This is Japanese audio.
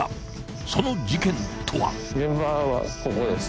［その事件とは］